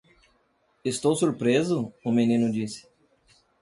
"Estou surpreso?" o menino disse.